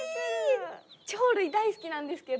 鳥類大好きなんですけど。